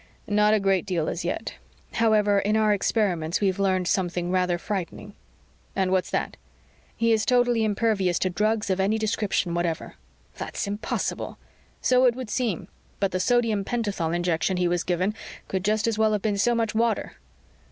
"Not a great deal, as yet. However, in our experiments we've learned something rather frightening." "And what's that?" "He is totally impervious to drugs of any description whatever." "That's impossible!" "So it would seem. But the sodium pentathol injection he was given could just as well have been so much water."